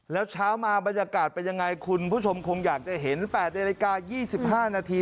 แล้วเช้ามาบรรยากาศเป็นยังไงคุณผู้ชมคงอยากจะเห็น๘นาฬิกา๒๕นาที